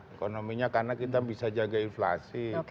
ekonominya karena kita bisa jaga inflasi